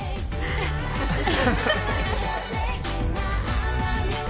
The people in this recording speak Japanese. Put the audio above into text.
ハハハハ。